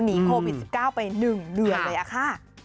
หนีโควิด๑๙ไปหนึ่งเหนือเลยค่ะ